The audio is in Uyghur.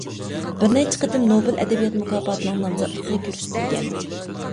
بىر نەچچە قېتىم نوبېل ئەدەبىيات مۇكاپاتىنىڭ نامزاتلىقىغا كۆرسىتىلگەن.